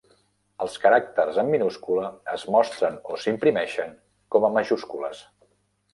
Els caràcters en minúscula es mostren o s'imprimeixen com a majúscules.